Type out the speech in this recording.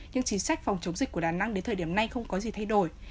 nhưng chính sách phòng chống dịch của đà nẵng đến thời điểm này không có gì thay đổi